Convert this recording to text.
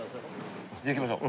じゃあ行きましょう。